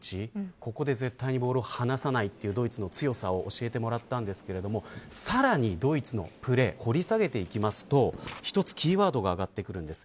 ここで絶対にボールを離さないというドイツの強さを教えてもらいましたがさらに、ドイツのプレー掘り下げていきますと一つ、キーワードが上がってきます。